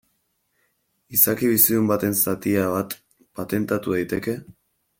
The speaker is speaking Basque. Izaki bizidun baten zatia bat patentatu daiteke?